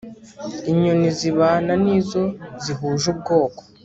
inyoni zibana n'izo zihuje ubwoko